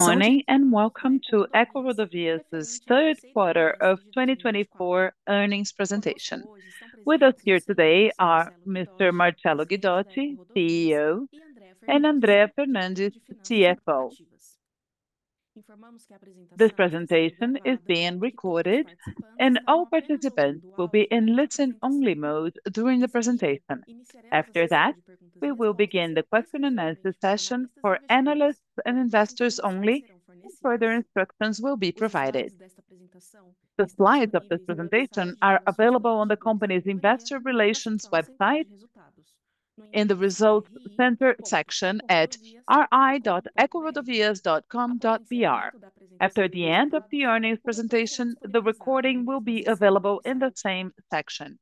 Morning and welcome to EcoRodovias' third quarter of 2024 earnings presentation. With us here today are Mr. Marcello Guidotti, CEO, and Andrea Fernandes, CFO. This presentation is being recorded, and all participants will be in listen-only mode during the presentation. After that, we will begin the question-and-answer session for analysts and investors only, and further instructions will be provided. The slides of this presentation are available on the company's investor relations website in the Results Center section at ri.ecorodovias.com.br. After the end of the earnings presentation, the recording will be available in the same section.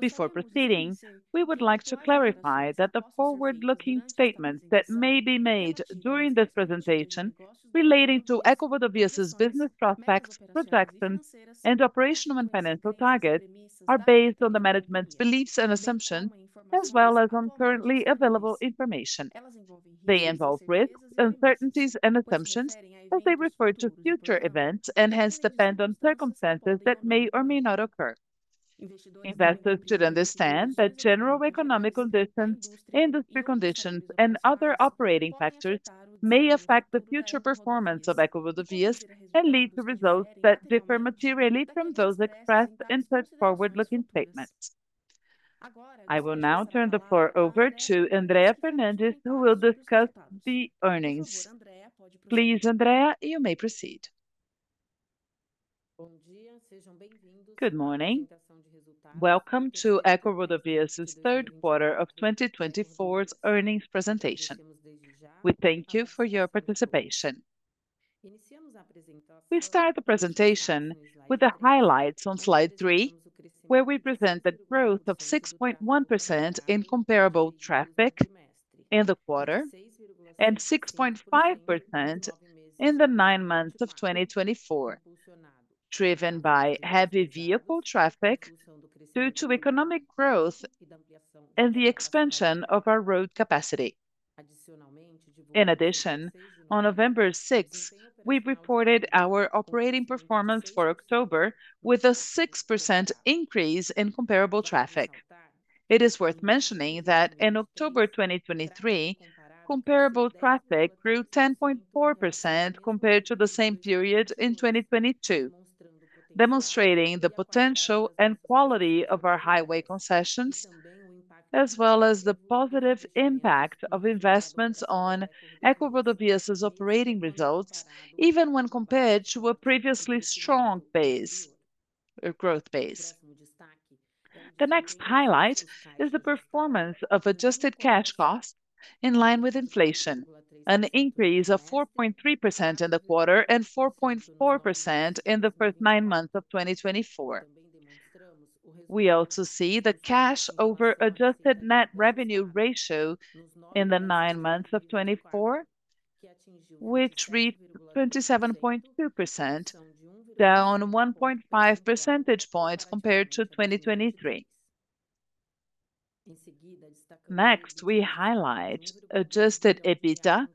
Before proceeding, we would like to clarify that the forward-looking statements that may be made during this presentation relating to EcoRodovias' business prospects, projections, and operational and financial targets are based on the management's beliefs and assumptions, as well as on currently available information. They involve risks, uncertainties, and assumptions as they refer to future events and hence depend on circumstances that may or may not occur. Investors should understand that general economic conditions, industry conditions, and other operating factors may affect the future performance of EcoRodovias and lead to results that differ materially from those expressed in such forward-looking statements. I will now turn the floor over to Andrea Fernandes, who will discuss the earnings. Please, Andrea, you may proceed. Good morning. Welcome to EcoRodovias' third quarter of 2024 earnings presentation. We thank you for your participation. We start the presentation with the highlights on slide 3, where we present the growth of 6.1% in comparable traffic in the quarter and 6.5% in the nine months of 2024, driven by heavy vehicle traffic due to economic growth and the expansion of our road capacity. In addition, on November 6th, we reported our operating performance for October with a 6% increase in comparable traffic. It is worth mentioning that in October 2023, comparable traffic grew 10.4% compared to the same period in 2022, demonstrating the potential and quality of our highway concessions, as well as the positive impact of investments on EcoRodovias' operating results, even when compared to a previously strong growth base. The next highlight is the performance of adjusted cash costs in line with inflation, an increase of 4.3% in the quarter and 4.4% in the first nine months of 2024. We also see the cash over adjusted net revenue ratio in the nine months of 2024, which reached 27.2%, down 1.5 percentage points compared to 2023. Next, we highlight Adjusted EBITDA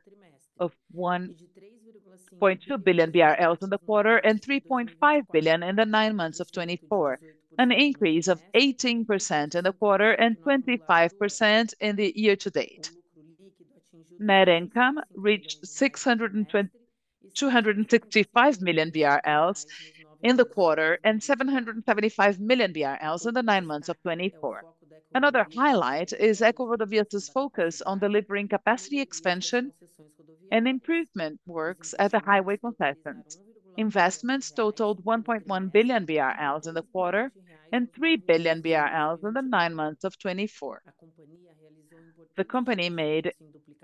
of 1.2 billion BRL in the quarter and 3.5 billion in the nine months of 2024, an increase of 18% in the quarter and 25% in the year-to-date. Net income reached 265 million BRL in the quarter and 775 million BRL in the nine months of 2024. Another highlight is EcoRodovias' focus on delivering capacity expansion and improvement works at the highway concessions. Investments totaled 1.1 billion BRL in the quarter and 3 billion BRL in the nine months of 2024. The company made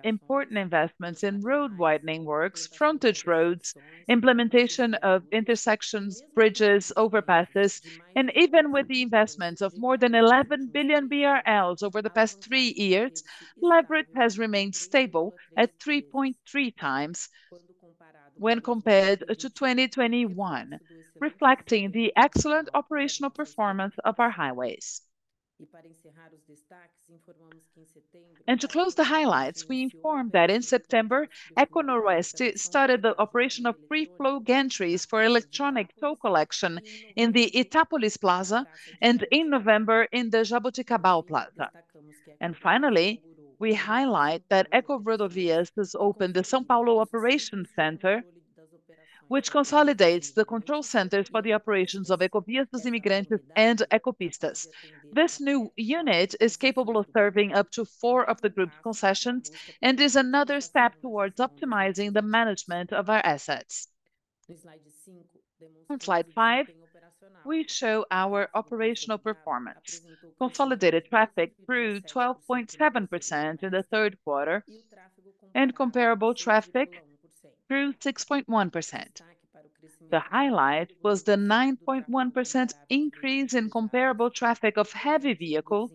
important investments in road widening works, frontage roads, implementation of intersections, bridges, overpasses, and even with the investments of more than 11 billion BRL over the past three years, leverage has remained stable at 3.3x when compared to 2021, reflecting the excellent operational performance of our highways. To close the highlights, we inform that in September, EcoNoroeste started the operation of free-flow gantries for electronic toll collection in the Itápolis Plaza and in November in the Jaboticabal Plaza. Finally, we highlight that EcoRodovias has opened the São Paulo Operations Center, which consolidates the control centers for the operations of Ecovias dos Imigrantes and Ecopistas. This new unit is capable of serving up to four of the group's concessions and is another step towards optimizing the management of our assets. On Slide 5, we show our operational performance. Consolidated traffic grew 12.7% in the third quarter and comparable traffic grew 6.1%. The highlight was the 9.1% increase in comparable traffic of heavy vehicles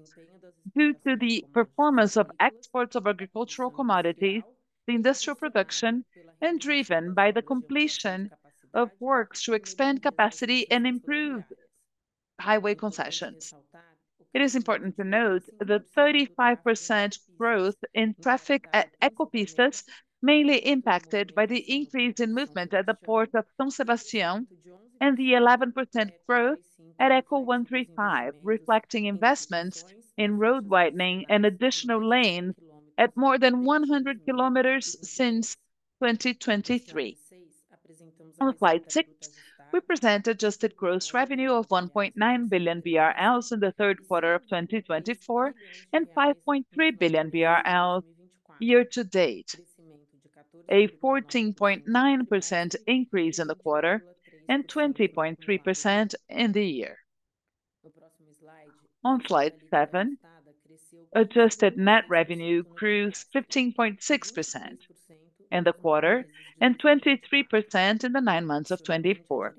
due to the performance of exports of agricultural commodities, the industrial production, and driven by the completion of works to expand capacity and improve highway concessions. It is important to note the 35% growth in traffic at Ecopistas, mainly impacted by the increase in movement at the port of São Sebastião, and the 11% growth at Eco135, reflecting investments in road widening and additional lanes at more than 100 km since 2023. On slide 6, we present adjusted gross revenue of 1.9 billion BRL in the third quarter of 2024 and 5.3 billion BRL year-to-date, a 14.9% increase in the quarter and 20.3% in the year. On slide 7, adjusted net revenue grew 15.6% in the quarter and 23% in the nine months of 2024.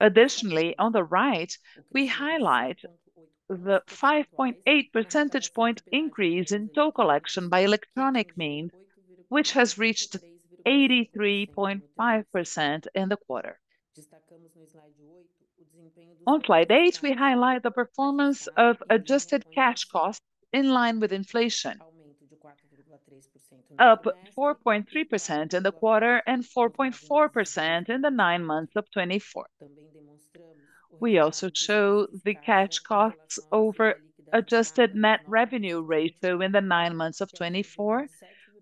Additionally, on the right, we highlight the 5.8 percentage point increase in toll collection by electronic means, which has reached 83.5% in the quarter. On slide 8, we highlight the performance of adjusted cash costs in line with inflation, up 4.3% in the quarter and 4.4% in the nine months of 2024. We also show the cash costs over adjusted net revenue ratio in the nine months of 2024,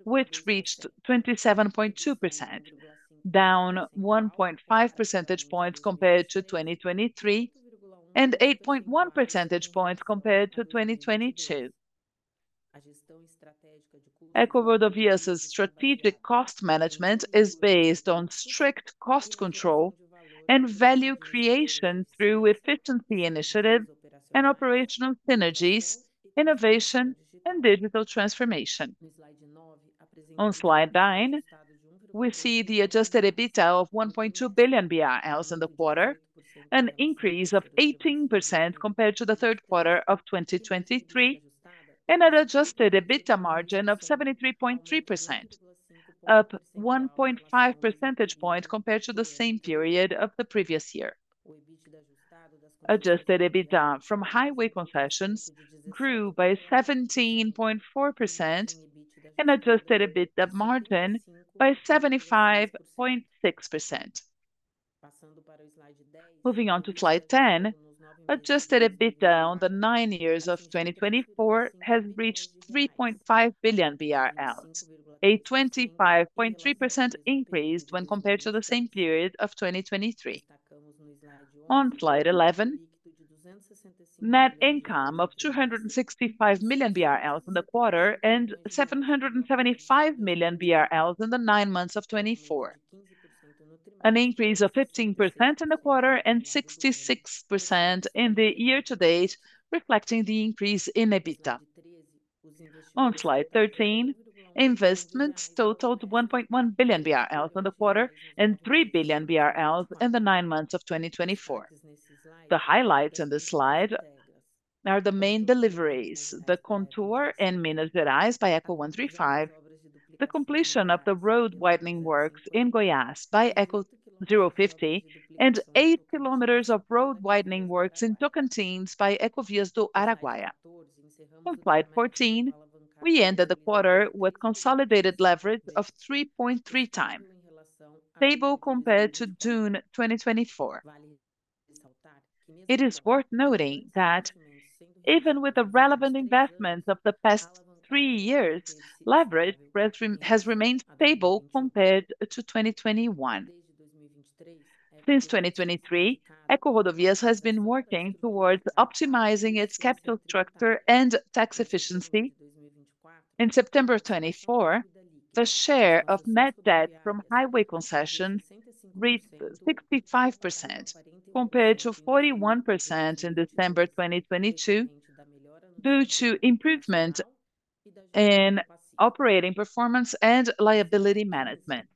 which reached 27.2%, down 1.5 percentage points compared to 2023 and 8.1 percentage points compared to 2022. EcoRodovias' strategic cost management is based on strict cost control and value creation through efficiency initiatives and operational synergies, innovation, and digital transformation. On slide 9, we see the Adjusted EBITDA of 1.2 billion BRL in the quarter, an increase of 18% compared to the third quarter of 2023, and an Adjusted EBITDA margin of 73.3%, up 1.5 percentage points compared to the same period of the previous year. Adjusted EBITDA from highway concessions grew by 17.4% and Adjusted EBITDA margin by 75.6%. Moving on to slide 10, Adjusted EBITDA on the nine months of 2024 has reached 3.5 billion BRL, a 25.3% increase when compared to the same period of 2023. On slide 11, net income of 265 million BRL in the quarter and 775 million BRL in the nine months of 2024, an increase of 15% in the quarter and 66% in the year-to-date, reflecting the increase in EBITDA. On slide 13, investments totaled 1.1 billion BRL in the quarter and 3 billion BRL in the nine months of 2024. The highlights on this slide are the main deliveries: the contorno in Minas Gerais by Eco135, the completion of the road widening works in Goiás by Eco050, and eight kilometers of road widening works in Tocantins by Ecovias do Araguaia. On slide 14, we ended the quarter with consolidated leverage of 3.3x, stable compared to June 2024. It is worth noting that even with the relevant investments of the past three years, leverage has remained stable compared to 2021. Since 2023, EcoRodovias has been working towards optimizing its capital structure and tax efficiency. In September 2024, the share of net debt from highway concessions reached 65% compared to 41% in December 2022, due to improvement in operating performance and liability management.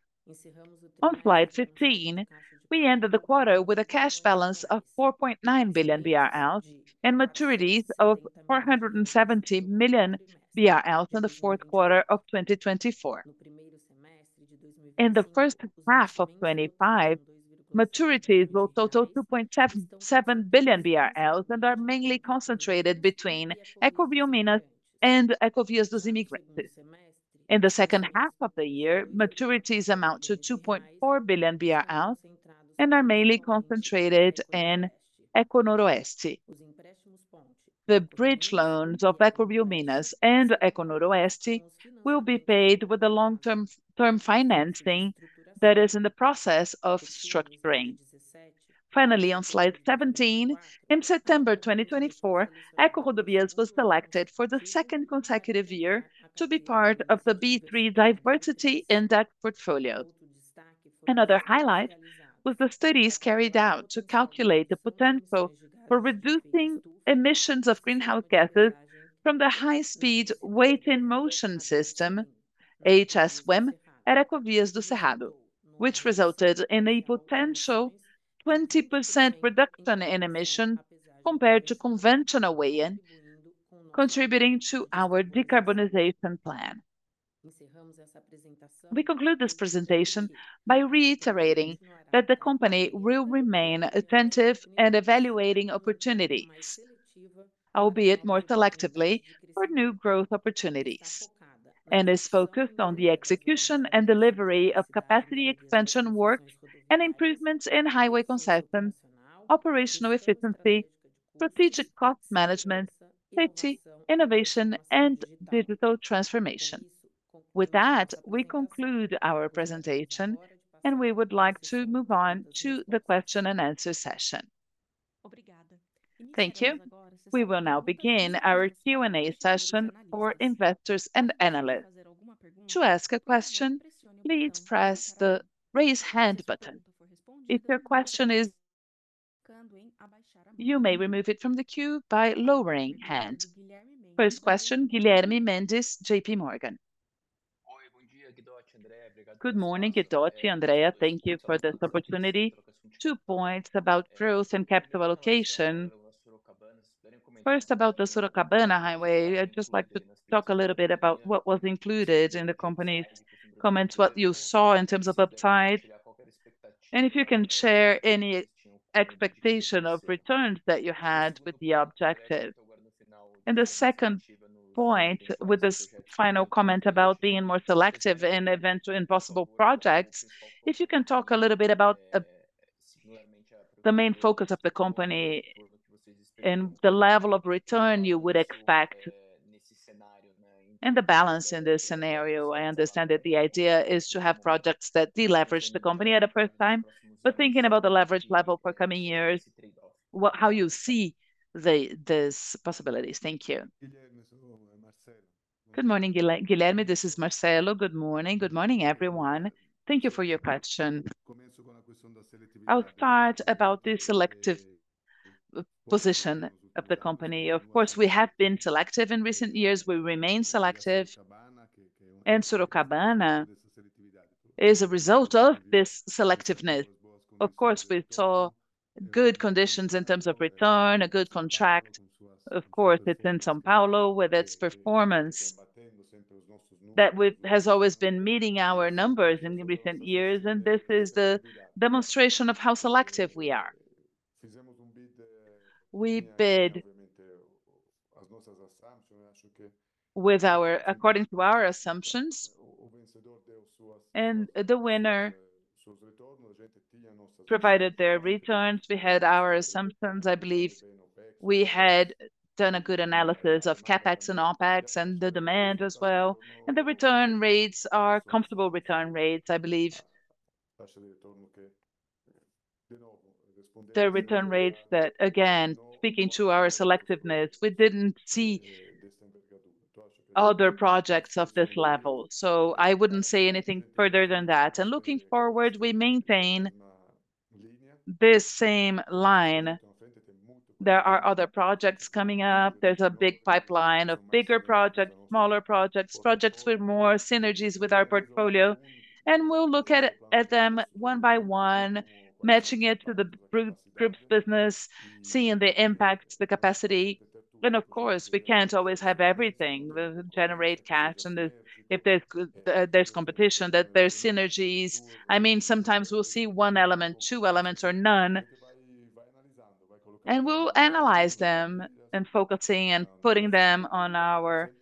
On slide 15, we ended the quarter with a cash balance of 4.9 billion BRL and maturities of 470 million BRL in the fourth quarter of 2024. In the first half of 2025, maturities will total 2.7 billion BRL and are mainly concentrated between EcoRioMinas and Ecovias dos Imigrantes. In the second half of the year, maturities amount to 2.4 billion BRL and are mainly concentrated in EcoNoroeste. The bridge loans of EcoRioMinas and EcoNoroeste will be paid with the long-term financing that is in the process of structuring. Finally, on slide 17, in September 2024, EcoRodovias was selected for the second consecutive year to be part of the B3 Diversity Index portfolio. Another highlight was the studies carried out to calculate the potential for reducing emissions of greenhouse gases from the high-speed weigh-in-motion system, HS-WIM, at Ecovias do Cerrado, which resulted in a potential 20% reduction in emissions compared to conventional weigh-in, contributing to our decarbonization plan. We conclude this presentation by reiterating that the company will remain attentive and evaluating opportunities, albeit more selectively, for new growth opportunities and is focused on the execution and delivery of capacity expansion works and improvements in highway concessions, operational efficiency, strategic cost management, safety, innovation, and digital transformation. With that, we conclude our presentation, and we would like to move on to the question-and-answer session. Thank you. We will now begin our Q&A session for investors and analysts. To ask a question, please press the raise hand button. If your question is, you may remove it from the queue by lowering hand. First question, Guilherme Mendes, JPMorgan. Good morning, Guidotti, Andrea. Thank you for this opportunity. Two points about growth and capital allocation. First, about the Sorocabana highway, I'd just like to talk a little bit about what was included in the company's comments, what you saw in terms of upside, and if you can share any expectation of returns that you had with the objective. The second point, with this final comment about being more selective in events or in possible projects, if you can talk a little bit about the main focus of the company and the level of return you would expect and the balance in this scenario. I understand that the idea is to have projects that deleverage the company at a first time, but thinking about the leverage level for coming years, how you see these possibilities? Thank you. Good morning, Guilherme. This is Marcello. Good morning. Good morning, everyone. Thank you for your question. I'll start about the selective position of the company. Of course, we have been selective in recent years. We remain selective, and Sorocabana is a result of this selectiveness. Of course, we saw good conditions in terms of return, a good contract. Of course, it's in São Paulo, with its performance that has always been meeting our numbers in recent years, and this is the demonstration of how selective we are. We bid with our, according to our assumptions, and the winner provided their returns. We had our assumptions. I believe we had done a good analysis of CapEx and OpEx and the demand as well, and the return rates are comfortable return rates, I believe. The return rates that, again, speaking to our selectiveness, we didn't see other projects of this level, so I wouldn't say anything further than that, and looking forward, we maintain this same line. There are other projects coming up. There's a big pipeline of bigger projects, smaller projects, projects with more synergies with our portfolio, and we'll look at them one by one, matching it to the group's business, seeing the impact, the capacity. Of course, we can't always have everything, generate cash, and if there's competition, that there's synergies. I mean, sometimes we'll see one element, two elements, or none, and we'll analyze them and focusing and putting them on our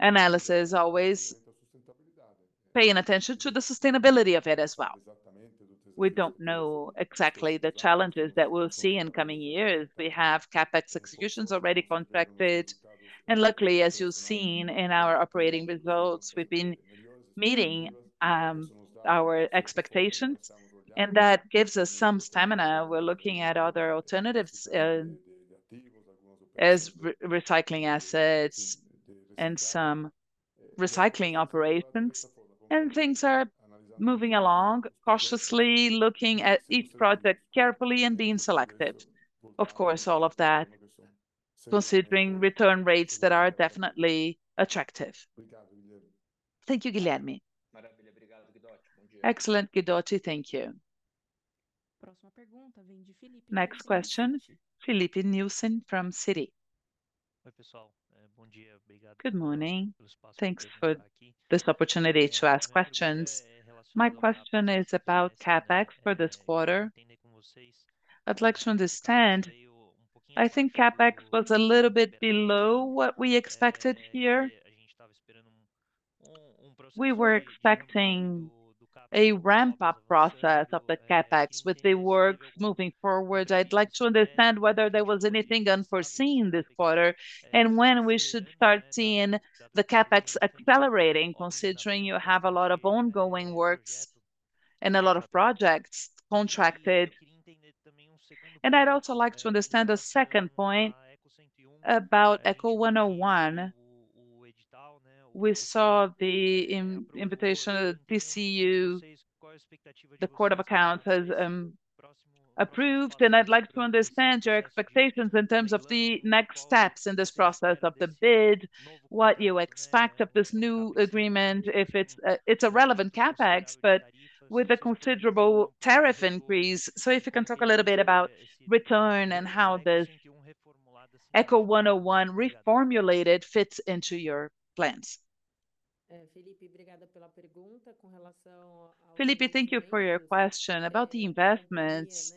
analysis, always paying attention to the sustainability of it as well. We don't know exactly the challenges that we'll see in coming years. We have CapEx executions already contracted, and luckily, as you've seen in our operating results, we've been meeting our expectations, and that gives us some stamina. We're looking at other alternatives as recycling assets and some recycling operations, and things are moving along, cautiously looking at each project carefully and being selective. Of course, all of that considering return rates that are definitely attractive. Thank you, Guilherme. Excellent, Guidotti. Thank you. Next question, Filipe Nielsen from Citi. Good morning. Thanks for this opportunity to ask questions. My question is about CapEx for this quarter. I'd like to understand. I think CapEx was a little bit below what we expected here. We were expecting a ramp-up process of the CapEx with the works moving forward. I'd like to understand whether there was anything unforeseen this quarter and when we should start seeing the CapEx accelerating, considering you have a lot of ongoing works and a lot of projects contracted. And I'd also like to understand the second point about Eco101. We saw the invitation to TCU, the Court of Accounts has approved, and I'd like to understand your expectations in terms of the next steps in this process of the bid, what you expect of this new agreement if it's a relevant CapEx, but with a considerable tariff increase. So if you can talk a little bit about return and how this Eco101 reformulated fits into your plans? Filipe, thank you for your question about the investments.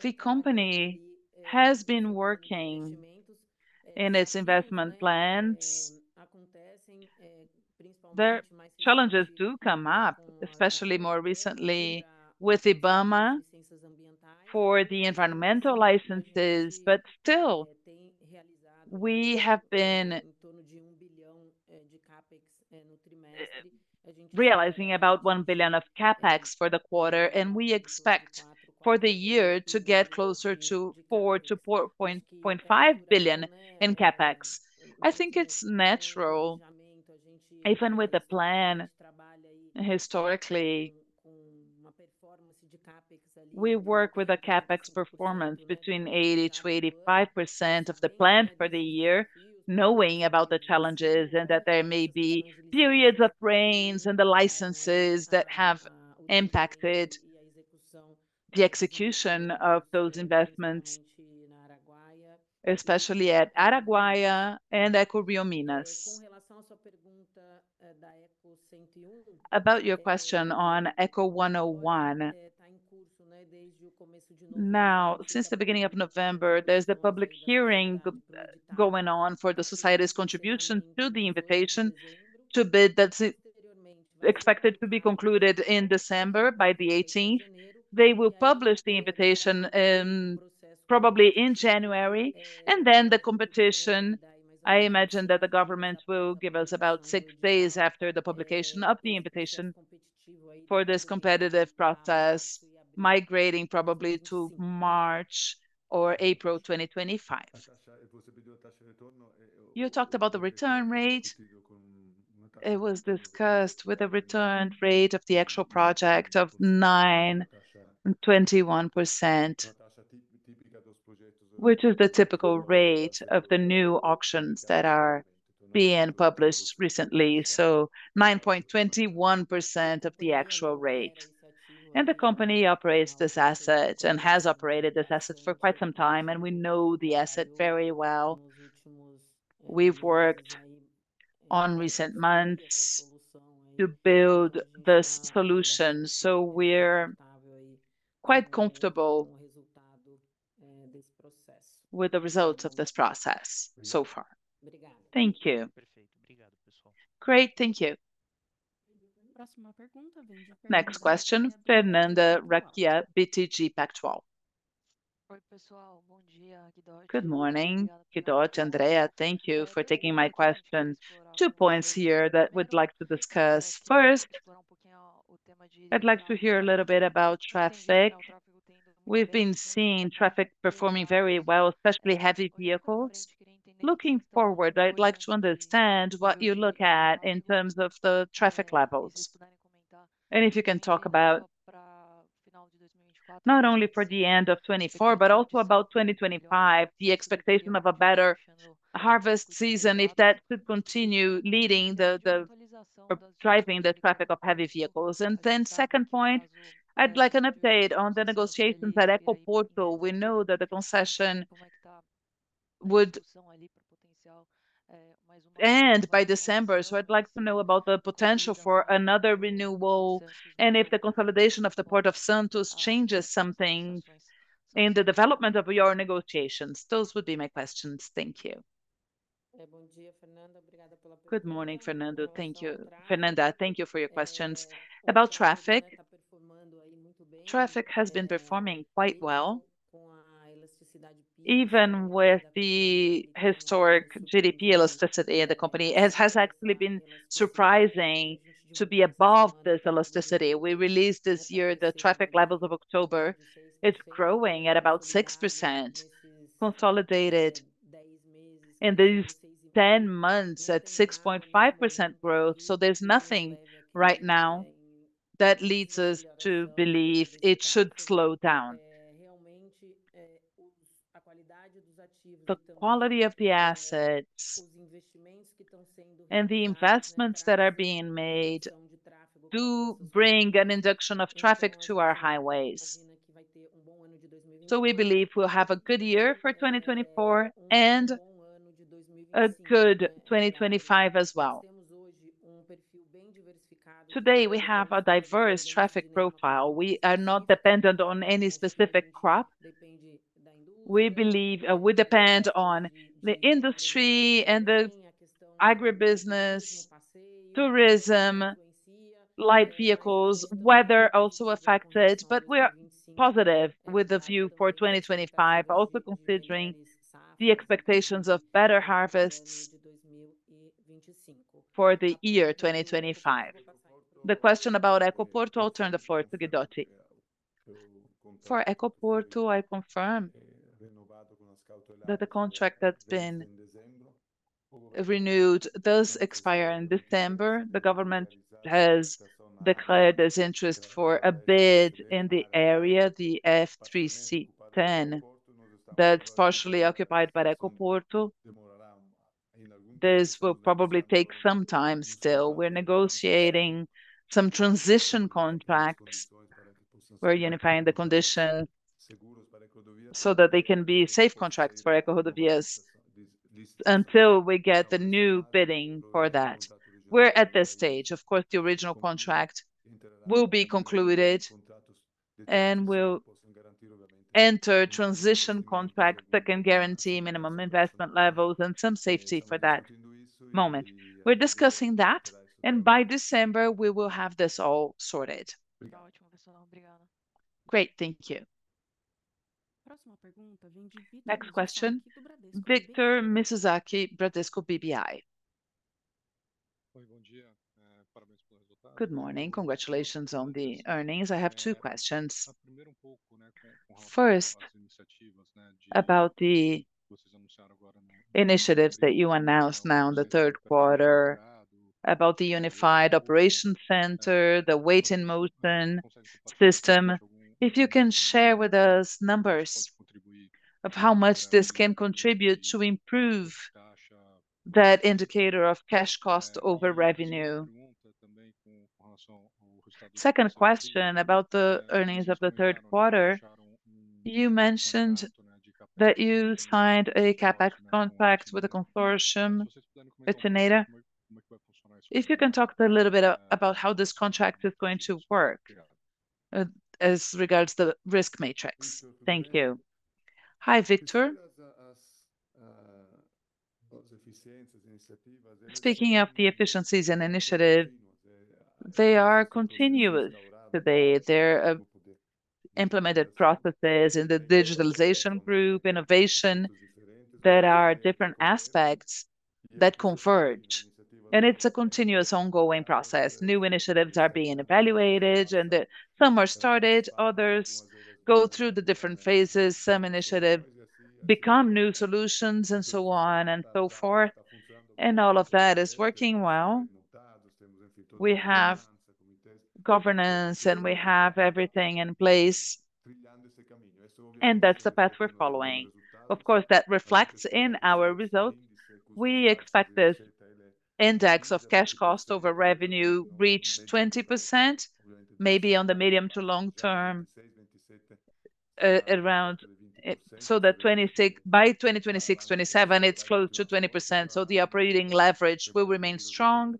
The company has been working in its investment plans. Challenges do come up, especially more recently with IBAMA for the environmental licenses, but still, we have been realizing about 1 billion of CapEx for the quarter, and we expect for the year to get closer to 4 billion- 4.5 billion in CapEx. I think it's natural. Even with the plan historically, we work with a CapEx performance between 80%-85% of the plan for the year, knowing about the challenges and that there may be periods of rains and the licenses that have impacted the execution of those investments, especially at Araguaia and EcoRioMinas. About your question on Eco101, now, since the beginning of November, there's the public hearing going on for the society's contribution to the invitation to bid that's expected to be concluded in December by the 18th. They will publish the invitation probably in January, and then the competition, I imagine that the government will give us about six days after the publication of the invitation for this competitive process, migrating probably to March or April 2025. You talked about the return rate. It was discussed with a return rate of the actual project of 9.21%, which is the typical rate of the new auctions that are being published recently, so 9.21% of the actual rate, and the company operates this asset and has operated this asset for quite some time, and we know the asset very well. We've worked on recent months to build this solution, so we're quite comfortable with the results of this process so far. Thank you. Great. Thank you. Next question, Fernanda Recchia, BTG Pactual. Oi, pessoal. Bom dia, Guidotti. Good morning, Guidotti, Andrea. Thank you for taking my question. Two points here that we'd like to discuss. First, I'd like to hear a little bit about traffic. We've been seeing traffic performing very well, especially heavy vehicles. Looking forward, I'd like to understand what you look at in terms of the traffic levels. And if you can talk about not only for the end of 2024, but also about 2025, the expectation of a better harvest season, if that could continue leading to or driving the traffic of heavy vehicles. And then second point, I'd like an update on the negotiations at EcoPorto. We know that the concession would end by December, so I'd like to know about the potential for another renewal and if the consolidation of the Port of Santos changes something in the development of your negotiations. Those would be my questions. Thank you. Good morning, Fernando. Thank you, Fernanda. Thank you for your questions. About traffic, traffic has been performing quite well, even with the historic GDP elasticity of the company. It has actually been surprising to be above this elasticity. We released this year the traffic levels of October. It's growing at about 6%, consolidated in these 10 months at 6.5% growth. So there's nothing right now that leads us to believe it should slow down. The quality of the assets and the investments that are being made do bring an induction of traffic to our highways. We believe we'll have a good year for 2024 and a good 2025 as well. Today, we have a diverse traffic profile. We are not dependent on any specific crop. We believe we depend on the industry and the agribusiness, tourism, light vehicles, weather also affected, but we are positive with the view for 2025, also considering the expectations of better harvests for the year 2025. The question about EcoPorto, I'll turn the floor to Guidotti. For EcoPorto, I confirm that the contract that's been renewed does expire in December. The government has declared this interest for a bid in the area, the STS10, that's partially occupied by EcoPorto. This will probably take some time still. We're negotiating some transition contracts for unifying the conditions so that they can be safe contracts for EcoRodovias until we get the new bidding for that. We're at this stage. Of course, the original contract will be concluded and we'll enter transition contracts that can guarantee minimum investment levels and some safety for that moment. We're discussing that, and by December, we will have this all sorted. Great. Thank you. Next question, Victor Mizusaki, Bradesco BBI. Good morning. Congratulations on the earnings. I have two questions. First, about the initiatives that you announced now in the third quarter, about the Unified Operations Center, the weigh in motion system. If you can share with us numbers of how much this can contribute to improve that indicator of cash cost over revenue. Second question, about the earnings of the third quarter. You mentioned that you signed a CapEx contract with a consortium, Itinera. If you can talk a little bit about how this contract is going to work as regards the risk matrix. Thank you. Hi, Victor. Speaking of the efficiencies and initiative, they are continuous today. They're implemented processes in the digitalization group, innovation. There are different aspects that converge, and it's a continuous ongoing process. New initiatives are being evaluated, and some are started. Others go through the different phases. Some initiatives become new solutions and so on and so forth, and all of that is working well. We have governance, and we have everything in place, and that's the path we're following. Of course, that reflects in our results. We expect this index of cash cost over revenue to reach 20%, maybe on the medium to long term, around so that by 2026, 2027, it's close to 20%, so the operating leverage will remain strong.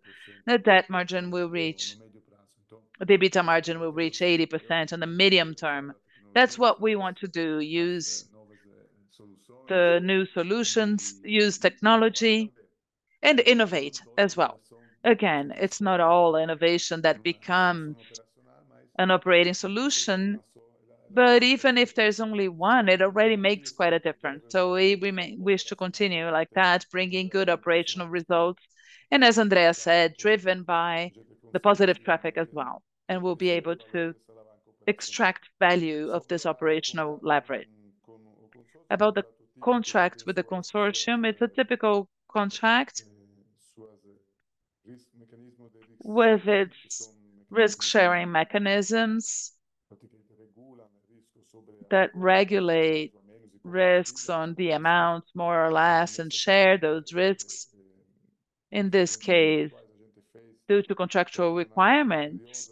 The debt margin will reach the EBITDA margin will reach 80% in the medium term. That's what we want to do. Use the new solutions, use technology, and innovate as well. Again, it's not all innovation that becomes an operating solution, but even if there's only one, it already makes quite a difference, so we wish to continue like that, bringing good operational results, and as Andrea said, driven by the positive traffic as well, and we'll be able to extract value of this operational leverage. About the contract with the consortium, it's a typical contract with its risk-sharing mechanisms that regulate risks on the amount more or less and share those risks. In this case, due to contractual requirements,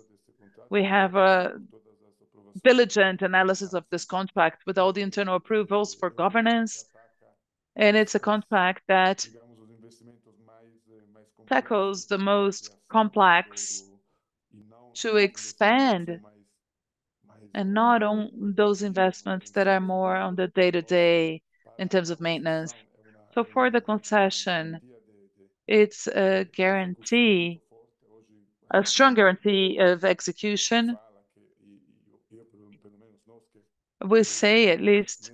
we have a due diligence analysis of this contract with all the internal approvals for governance. It's a contract that tackles the most complex to expand and not on those investments that are more on the day-to-day in terms of maintenance. So for the concession, it's a guarantee, a strong guarantee of execution. We say at least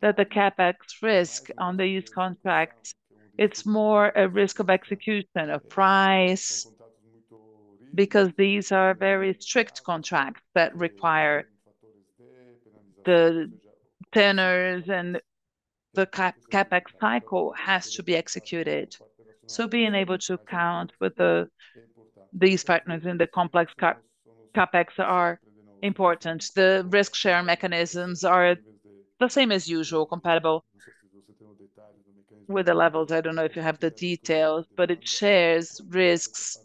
that the CapEx risk on the use contract, it's more a risk of execution of price because these are very strict contracts that require the tenors and the CapEx cycle has to be executed. So being able to account for these partners in the complex CapEx are important. The risk-share mechanisms are the same as usual, compatible with the levels. I don't know if you have the details, but it shares risks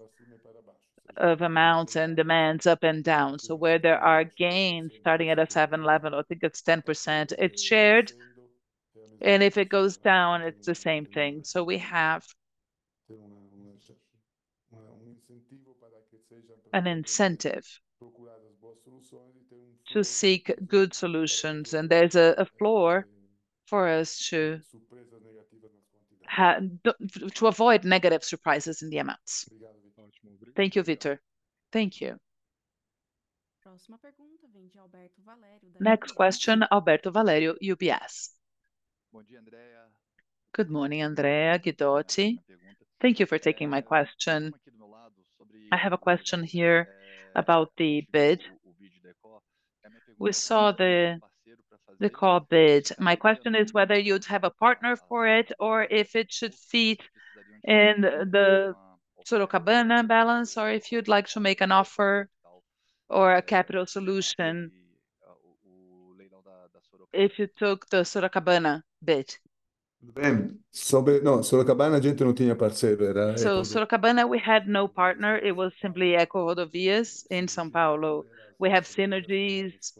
of amounts and demands up and down. So where there are gains starting at a 7 level, I think it's 10%. It's shared. And if it goes down, it's the same thing. So we have an incentive to seek good solutions. And there's a floor for us to avoid negative surprises in the amounts. Thank you, Victor. Thank you. Next question, Alberto Valerio, UBS. Good morning, Andrea, Guidotti. Thank you for taking my question. I have a question here about the bid. We saw the called bid. My question is whether you'd have a partner for it or if it should sit in the Sorocabana balance sheet or if you'd like to make an offer or a capital solution if you took the Sorocabana bid. So Sorocabana we had no partner. It was simply EcoRodovias in São Paulo. We have synergies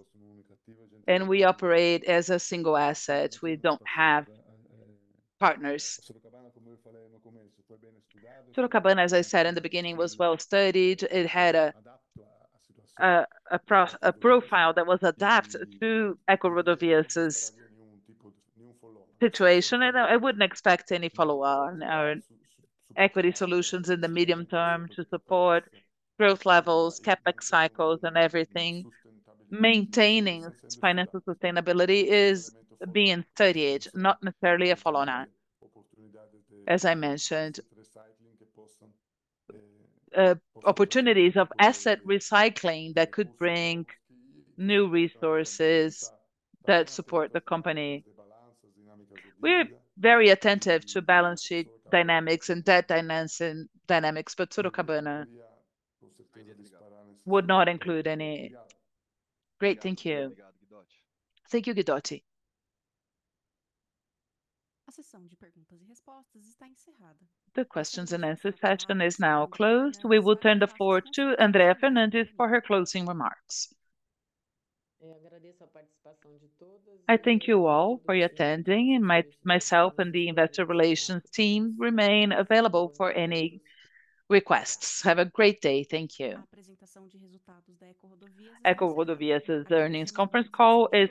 and we operate as a single asset. We don't have partners. Sorocabana, as I said in the beginning, was well-studied. It had a profile that was adapted to EcoRodovias's situation. I wouldn't expect any follow-on equity solutions in the medium term to support growth levels, CapEx cycles, and everything. Maintaining financial sustainability is being studied, not necessarily a follow-on, as I mentioned. Opportunities of asset recycling that could bring new resources that support the company. We're very attentive to balance sheet dynamics and debt dynamics, but Sorocabana would not include any. Great. Thank you. Thank you, Guidotti. The questions and answers session is now closed. We will turn the floor to Andrea Fernandes for her closing remarks. I thank you all for your attending. Myself and the investor relations team remain available for any requests. Have a great day. Thank you. EcoRodovias's earnings conference call is.